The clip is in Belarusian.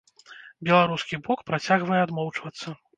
Беларускі бок працягвае адмоўчвацца.